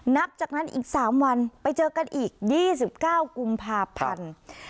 นับจากนั้นอีก๓วันไปเจอกันอีก๒๙กุมภาพันธ์